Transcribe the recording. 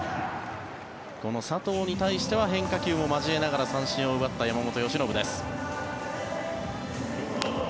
この佐藤に対しては変化球も交えながら三振を奪った山本由伸です。